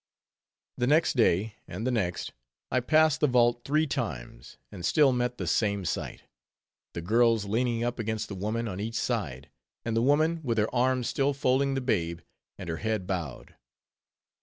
The next day, and the next, I passed the vault three times, and still met the same sight. The girls leaning up against the woman on each side, and the woman with her arms still folding the babe, and her head bowed.